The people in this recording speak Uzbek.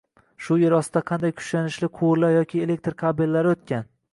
Shu yer ostida qanday kuchlanishli quvurlar yoki elektr kabellar oʻtgan